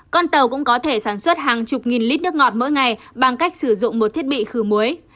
con tàu cũng có thể sản xuất hàng chục nghìn lít nước ngọt mỗi ngày bằng cách sử dụng một thiết bị khử muối